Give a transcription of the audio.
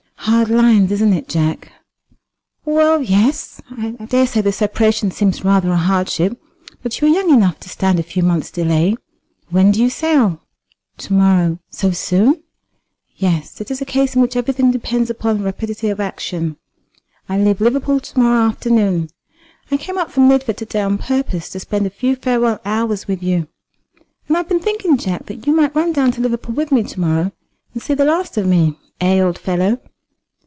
Hard lines, isn't it, Jack?" "Well, yes; I daresay the separation seems rather a hardship; but you are young enough to stand a few months' delay. When do you sail?" "To morrow." "So soon?" "Yes. It is a case in which everything depends upon rapidity of action. I leave Liverpool to morrow afternoon. I came up from Lidford to day on purpose to spend a few farewell hours with you. And I have been thinking, Jack, that you might run down to Liverpool with me to morrow, and see the last of me, eh, old fellow?"